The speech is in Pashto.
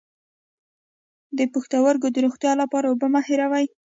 د پښتورګو د روغتیا لپاره اوبه مه هیروئ